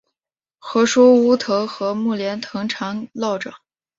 何首乌藤和木莲藤缠络着